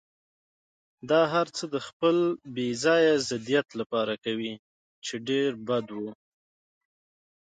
دا هرڅه د خپل بې ځایه ضدیت لپاره کوي، چې ډېر بد و.